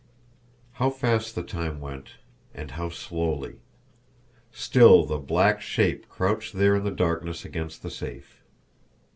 How fast the time went and how slowly! Still the black shape crouched there in the darkness against the safe.